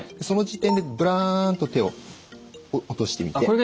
その時点でぶらんと手を落としてみて。